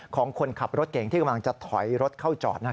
ของคนขับรถเก่งที่กำลังจะถอยรถเข้าจอด